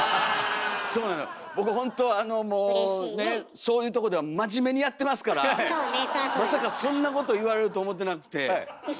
そういうとこでは真面目にやってますからまさかそんなこと言われると思ってなくて。